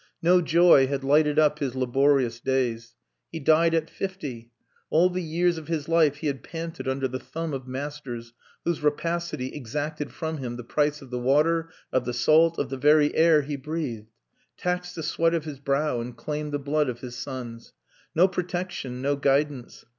No joy had lighted up his laborious days. He died at fifty; all the years of his life he had panted under the thumb of masters whose rapacity exacted from him the price of the water, of the salt, of the very air he breathed; taxed the sweat of his brow and claimed the blood of his sons. No protection, no guidance!